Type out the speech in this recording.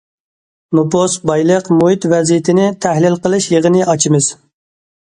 نوپۇس، بايلىق، مۇھىت ۋەزىيىتىنى تەھلىل قىلىش يىغىنى ئاچىمىز.